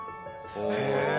へえ。